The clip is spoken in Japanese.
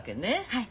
はい。